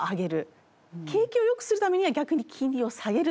景気をよくするためには逆に金利を下げると。